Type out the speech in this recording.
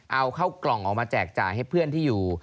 เอาเข้ากล่องออกมาแจกจ่ายให้เพื่อนที่อยู่